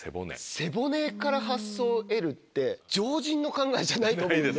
背骨から発想を得るって常人の考えじゃないと思うんで。